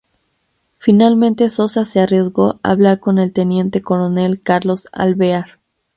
Finalmente Sosa se arriesgó a hablar con el teniente coronel Carlos Alvear.